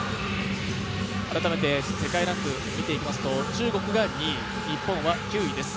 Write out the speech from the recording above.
改めて世界ランク見ていきますと中国が２位、日本は９位です。